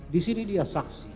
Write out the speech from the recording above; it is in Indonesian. di sini dia saksi